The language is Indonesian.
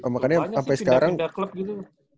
makanya sih pindah pindah klub gitu